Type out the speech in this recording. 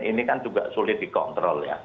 ini kan juga sulit dikontrol ya